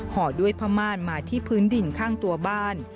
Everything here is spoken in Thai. ห่อด้วยผ้าม่านมาที่พื้นดินข้างตัวบ้าน